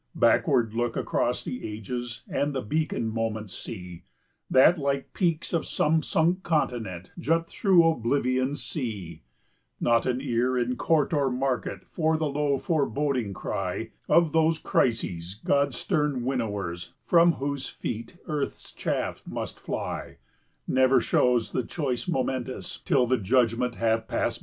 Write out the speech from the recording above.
30 Backward look across the ages and the beacon moments see, That, like peaks of some sunk continent, jut through Oblivion's sea; Not an ear in court or market for the low foreboding cry Of those Crises, God's stern winnowers, from whose feet earth's chaff must fly; Never shows the choice momentous till the judgment hath passed by.